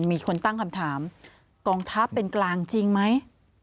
มีคนตั้งคำถามกองทัพเป็นกลางจริงไหม